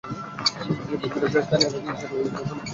তিনি বুলগেরিয়ার স্থানীয় রাজনীতির সাথেও সম্পৃক্ত ছিলেন।